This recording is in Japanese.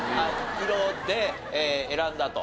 色で選んだと。